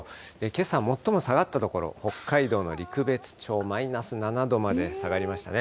けさ最も下がった所、北海道の陸別町マイナス７度まで下がりましたね。